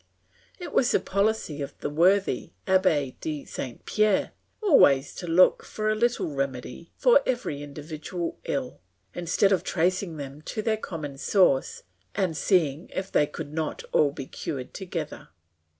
It was the policy of the worthy Abbe de Saint Pierre always to look for a little remedy for every individual ill, instead of tracing them to their common source and seeing if they could not all be cured together.